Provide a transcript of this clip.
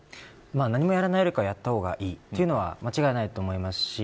何もやらないよりはやった方がいいというのは間違いないと思います。